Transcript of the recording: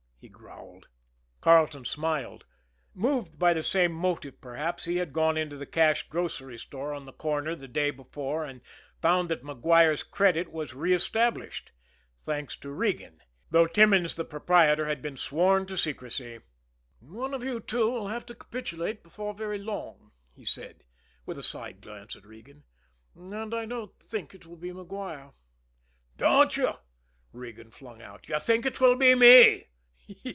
he growled. Carleton smiled. Moved by the same motive perhaps, he had gone into the Cash Grocery Store on the corner the day before and found that Maguire's credit was re established thanks to Regan though Timmons, the proprietor, had been sworn to secrecy. "One of you two will have to capitulate before very long," he said, with a side glance at Regan. "And I don't think it will be Maguire." "Don't you!" Regan flung out. "You think it will be me?"